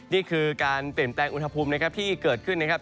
นี่คือการเปลี่ยนแปลงอุณหภูมินะครับที่เกิดขึ้นนะครับ